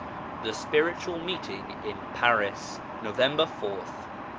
THE SPIRITUAL MEETINGS IN PARIS November qth.